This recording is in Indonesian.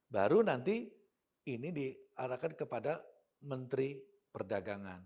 baru nanti ini diarahkan kepada menteri perdagangan